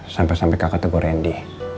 sampai sampai kakak tegur randy